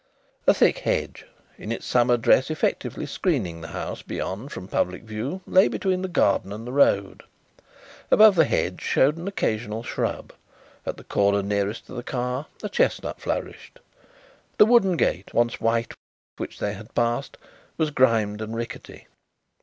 A thick hedge, in its summer dress effectively screening the house beyond from public view, lay between the garden and the road. Above the hedge showed an occasional shrub; at the corner nearest to the car a chestnut flourished. The wooden gate, once white, which they had passed, was grimed and rickety.